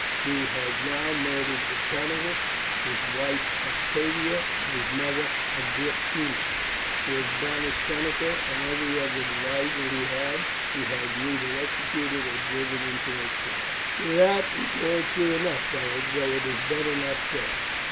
He has now murdered Britannicus, his wife Octavia, and his mother Agrippina. He has banished Seneca, and every other adviser he had he has either executed or driven into exile." "That is all true enough, Beric, though it is better not said.